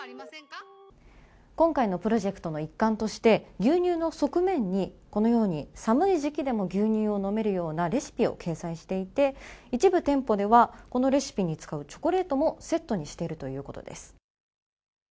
今回のプロジェクトの一環として牛乳の側面に、このように寒い時期でも牛乳を飲めるようなレシピを掲載していて、一部店舗ではこのレシピに使うチョコレートも、セットにしているということです。